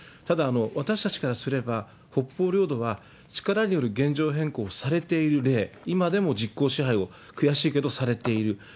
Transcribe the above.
ただ、私たちからすれば、北方領土は力による現状変更をされているので、今まで実効支配を、悔しいけどされている。